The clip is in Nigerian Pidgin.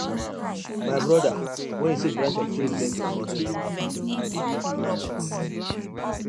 My bother wen yu see branch of tree break for middle afternoon mek yu run ooo.